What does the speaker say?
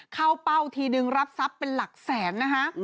เป้าทีนึงรับทรัพย์เป็นหลักแสนนะคะ